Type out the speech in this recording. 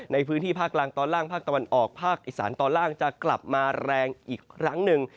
ในพื้นที่ภาคกลางตอนล่างภาคตะวันออกภาคอีสานตอนล่างจะกลับมาแรงอีกครั้งหนึ่ง